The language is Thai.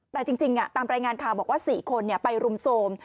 แต่จริงจริงอ่ะตามรายงานข่าวบอกว่าสี่คนเนี้ยไปรุมโทรม